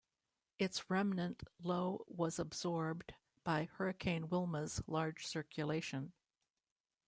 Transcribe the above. Its remnant low was absorbed by Hurricane Wilma's large circulation.